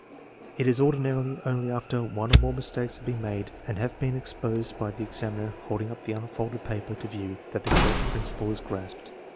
It is ordinarily only after one or more mistakes have been made and have been ex posed by the examiner holding up the unfolded paper to view that the correct principle is grasped.